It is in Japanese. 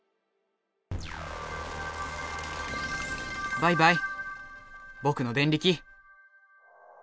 バイバイぼくのデンリキ。